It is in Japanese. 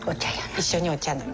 一緒にお茶飲む。